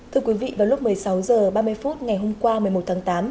thưa quý vị vào lúc một mươi sáu h ba mươi phút ngày hôm qua một mươi một tháng tám